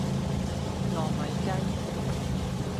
糯米雞